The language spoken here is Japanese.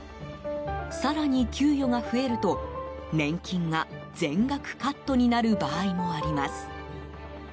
更に、給与が増えると年金が全額カットになる場合もあります。